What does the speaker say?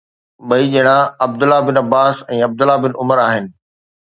ٻئي ڄڻا Abdullah bin Abbas ۽ Abdullah bin Umar آهن